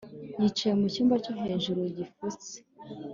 yicaye mu cyumba cyo hejuru gifutse